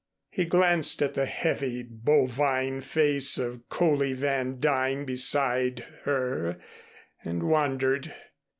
He glanced at the heavy, bovine face of Coley Van Duyn beside her and wondered.